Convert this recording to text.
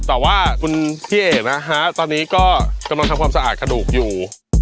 แต่ว่าคุณพี่เอ๋นะฮะตอนนี้ก็กำลังทำความสะอาดกระดูกอยู่